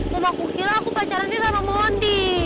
mama aku kira aku pacaran sama mondi